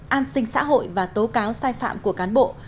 an sinh xã hội và tố cáo sai phạm của cán bộ